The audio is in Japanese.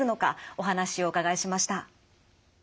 お話をお伺いしました。